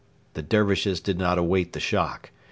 The Dervishes did not await the shock.